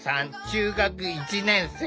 中学１年生。